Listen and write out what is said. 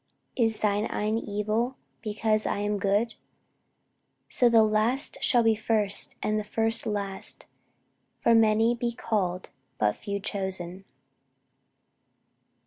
Is thine eye evil, because I am good? So the last shall be first, and the first last: for many be called, but few chosen.